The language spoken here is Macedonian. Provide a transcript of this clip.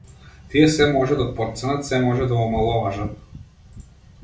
Тие сѐ можат да потценат, сѐ можат да омаловажат.